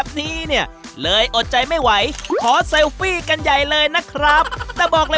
เดี๋ยวพี่ไปเอาที่รถก่อน